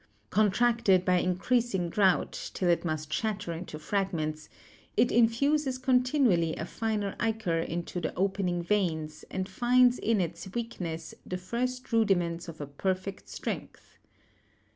Contracted by in creasing drought, till it must shatter into fragments, it in fuses continually a finer ichor into the opening veins, and finds in its weakness the first rudiments of a perfect strength.